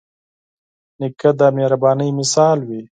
نیکه د مهربانۍ مثال وي.